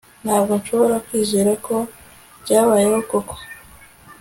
Ntabwo nshobora kwizera ko byabayeho koko